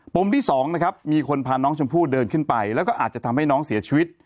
มที่สองนะครับมีคนพาน้องชมพู่เดินขึ้นไปแล้วก็อาจจะทำให้น้องเสียชีวิต